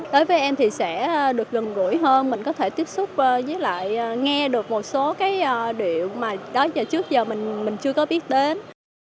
đối với em thì sẽ được gần gũi hơn mình có thể tiếp xúc với lại nghe được một số cái điệu mà trước giờ mình chưa có biết đến